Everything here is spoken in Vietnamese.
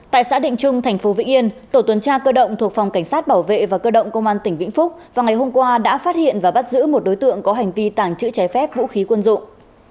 tại xã định trung thành phố vĩnh yên tổ tuần tra cơ động thuộc phòng cảnh sát bảo vệ và cơ động công an tỉnh vĩnh phúc vào ngày hôm qua đã phát hiện và bắt giữ một đối tượng có hành vi tàng trữ trái phép vũ khí quân dụng